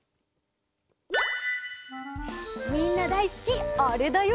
みんなだいすきあれだよ。